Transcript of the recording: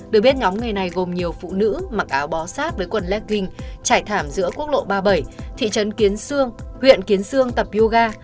được biết nhóm người này gồm nhiều phụ nữ mặc áo bó sát với quần ledging trải thảm giữa quốc lộ ba mươi bảy thị trấn kiến sương huyện kiến sương tập yoga